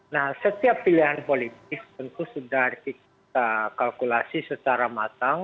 nah setiap pilihan politik tentu sudah kita kalkulasi secara matang